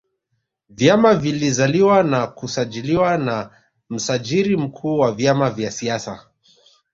vyama vilizaliwa na kusajiliwa na msajiri mkuu wa vyama vya siasa